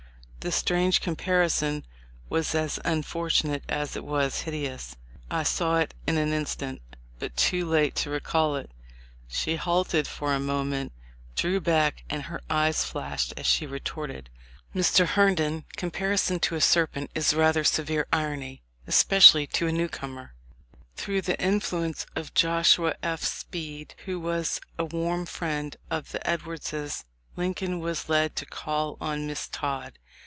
The strange comparison was as unfortunate as it was hideous. I saw it in an instant, but too late to recall it. She halted for a moment, drew back, and her eyes flashed as she retorted : "Mr. Herndon, comparison to a serpent is rather severe irony, especially to a new comer." Through the influence of Joshua F. Speed, who was a warm friend of the Edwardses, Lincoln was led to call on Miss Todd.